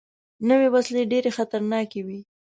نوې وسلې ډېرې خطرناکې وي